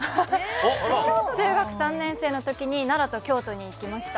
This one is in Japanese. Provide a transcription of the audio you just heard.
中学３年生のときに奈良と京都に行きました